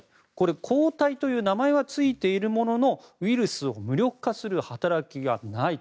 抗体という名前はついているものの、ウイルスを無力化する働きがない。